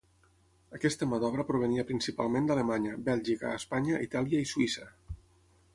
Aquesta mà d'obra provenia principalment d'Alemanya, Bèlgica, Espanya, Itàlia i Suïssa.